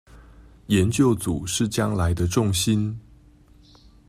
研究組是將來的重心